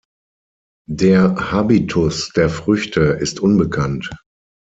Der Habitus der Früchte ist unbekannt.